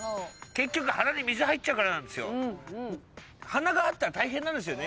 結局鼻に水入っちゃうからなんですよ。